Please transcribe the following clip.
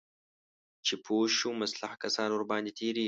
چې پوه شو مسلح کسان ورباندې تیریږي